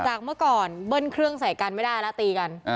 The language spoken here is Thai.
เมื่อก่อนเบิ้ลเครื่องใส่กันไม่ได้แล้วตีกัน